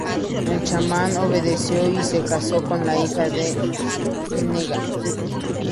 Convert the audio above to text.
El chamán obedeció y se casó con la hija de Nga.